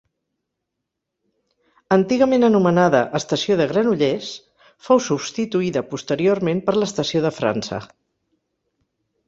Antigament anomenada estació de Granollers, fou substituïda posteriorment per l'Estació de França.